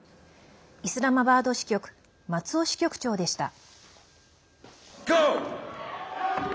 イスラマバード支局松尾支局長でした。